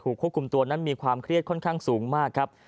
ควบคุมตัวนั้นมีความเครียดค่อนข้างสูงมากครับ